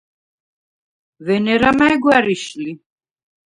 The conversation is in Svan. ვენერა მა̈ჲ გვა̈რიშ ლი?